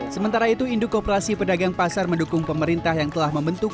sementara itu induk koperasi pedagang pasar mendukung pemerintah yang telah membentuk